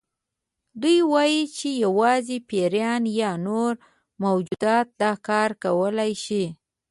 دوی وایي چې یوازې پیریان یا نور موجودات دا کار کولی شي.